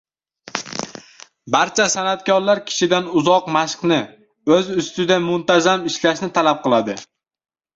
Barcha san’atlar kishidan uzoq mashqni, o‘z ustida muntazam ishlashni talab qiladi.